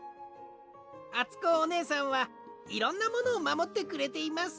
あつこおねえさんはいろんなものをまもってくれています。